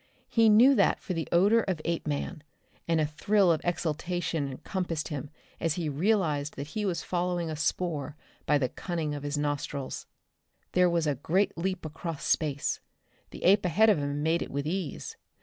He knew that for the odor of Apeman, and a thrill of exaltation encompassed him as he realized that he was following a spoor by the cunning of his nostrils. There was a great leap across space. The ape ahead of him made it with ease.